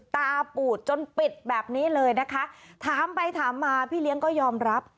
ปูดจนปิดแบบนี้เลยนะคะถามไปถามมาพี่เลี้ยงก็ยอมรับ